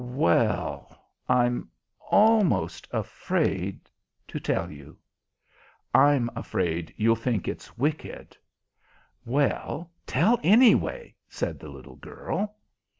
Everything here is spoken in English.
"Well, I'm almost afraid to tell you. I'm afraid you'll think it's wicked." "Well, tell, anyway," said the little girl.